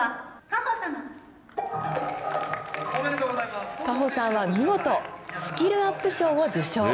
果歩さんは見事、スキルアップ賞を受賞。